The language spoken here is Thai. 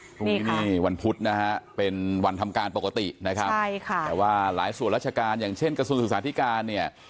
พรุ่งนี้นี่วันพุธนะฮะเป็นวันทำการปกตินะครับใช่ค่ะแต่ว่าหลายส่วนราชการอย่างเช่นกระทรวงศึกษาธิการเนี่ย